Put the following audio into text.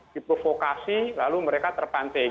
diprovokasi lalu mereka terpanting